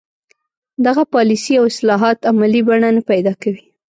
دغه پالیسۍ او اصلاحات عملي بڼه نه پیدا کوي.